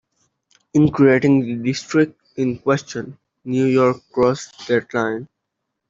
In creating the district in question, New York crossed that line.